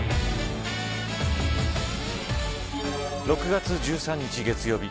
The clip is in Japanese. ６月１３日月曜日